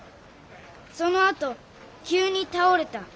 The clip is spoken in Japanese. そのあと急に倒れた。